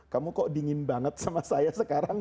kamu kok dingin banget sama saya sekarang